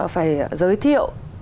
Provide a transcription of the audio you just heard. phải giới thiệu